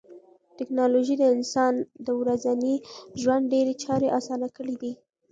ټکنالوژي د انسان د ورځني ژوند ډېری چارې اسانه کړې دي.